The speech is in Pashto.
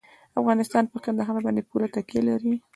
افغانستان په کندهار باندې پوره تکیه لري.